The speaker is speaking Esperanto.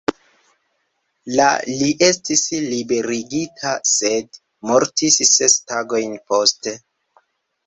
La li estis liberigita, sed mortis ses tagojn poste.